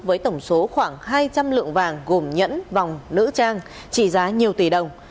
với tổng số khoảng hai trăm linh lượng vàng gồm nhẫn vòng nữ trang trị giá nhiều tỷ đồng